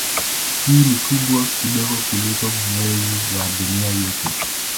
Hii ni kubwa kidogo kuliko Mwezi wa Dunia yetu.